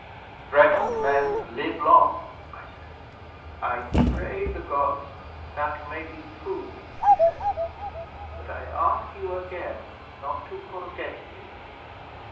'"Threatened men live long," I said. '"I pray the Gods that may be true," he said. "But I ask you again not to forget me."